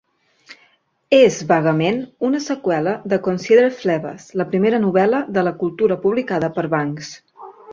És vagament una seqüela de "Consider Phlebas", la primera novel·la de la Cultura publicada per Banks.